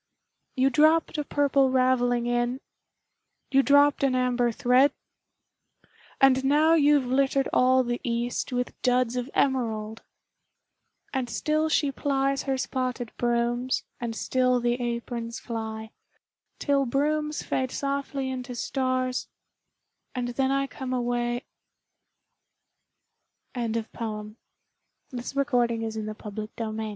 You dropped a Purple Ravelling in You dropped an Amber thread And now you've littered all the east With Duds of Emerald! And still she plies her spotted Brooms, And still the Aprons fly, Till Brooms fade softly into stars And then I come away Emily Dickinson (1861) There's a certain Slant of light